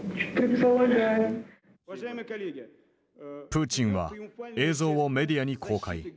プーチンは映像をメディアに公開。